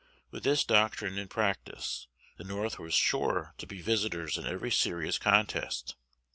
With this doctrine in practice, the North were sure to be victors in every serious contest.